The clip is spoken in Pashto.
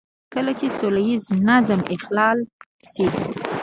کله چې سوله ييز نظم اخلال شي.